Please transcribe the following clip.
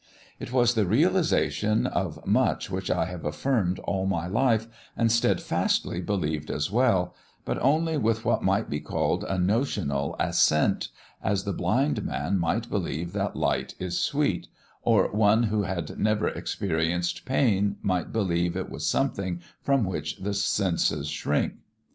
It was the realisation of much which I have affirmed all my life, and steadfastly believed as well, but only with what might be called a notional assent, as the blind man might believe that light is sweet, or one who had never experienced pain might believe it was something from which the senses shrink.